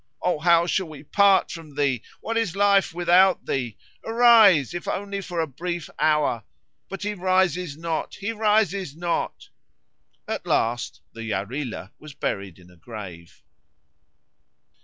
O how shall we part from thee? What is life without thee? Arise, if only for a brief hour. But he rises not, he not." At last the Yarilo was buried in a grave.